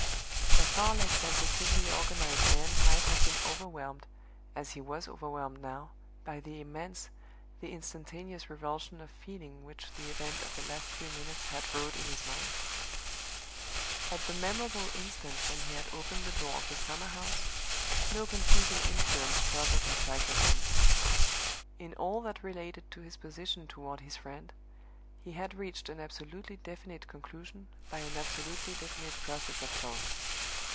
A far less sensitively organized man might have been overwhelmed, as he was overwhelmed now, by the immense, the instantaneous revulsion of feeling which the event of the last few minutes had wrought in his mind. At the memorable instant when he had opened the door of the summer house, no confusing influence troubled his faculties. In all that related to his position toward his friend, he had reached an absolutely definite conclusion by an absolutely definite process of thought.